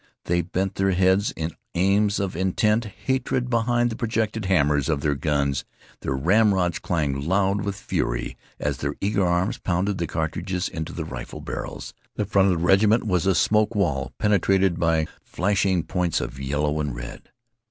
They bent their heads in aims of intent hatred behind the projected hammers of their guns. Their ramrods clanged loud with fury as their eager arms pounded the cartridges into the rifle barrels. The front of the regiment was a smoke wall penetrated by the flashing points of yellow and red.